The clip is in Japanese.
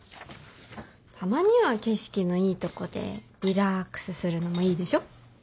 たまには景色のいいとこでリラックスするのもいいでしょ。